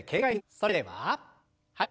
それでははい。